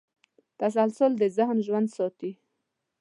تسلسل د ذهن ژوند ساتي.